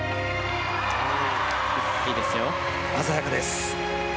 鮮やかです。